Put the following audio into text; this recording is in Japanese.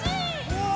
うわ！